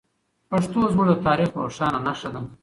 پښتو زموږ د تاریخ روښانه نښه ده.